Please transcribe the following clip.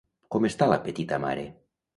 Com està la petita mare?